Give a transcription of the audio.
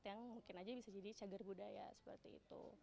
yang mungkin aja bisa jadi cagar budaya seperti itu